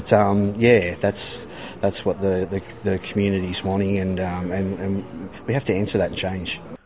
tapi ya itu yang ingin komunitas dan kita harus menjawab perubahan itu